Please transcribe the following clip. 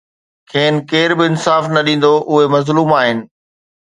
کين ڪير به انصاف نه ڏيندو، اهي مظلوم آهن